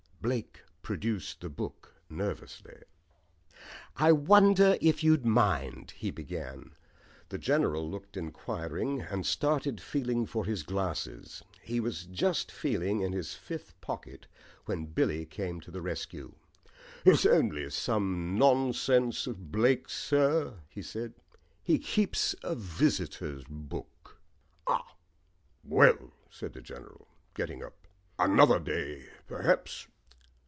Blake produced the book nervously. "I wonder if you'd mind," he began. The General looked inquiring, and started feeling for his glasses. He was just feeling in his fifth pocket when Billy came to the rescue. "It's only some nonsense of Blake's, sir," he said. "He keeps a visitors' book." "Ah, well," said the General, getting up, "another day, perhaps."